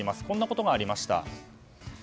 こんなことがありました。